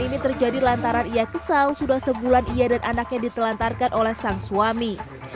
ini terjadi lantaran ia kesal sudah sebulan ia dan anaknya ditelantarkan oleh sang suami